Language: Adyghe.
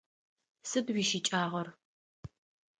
Сыд уищыкӀагъэр?